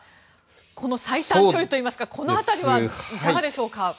この最短距離といいますかこの辺りはいかがでしょうか。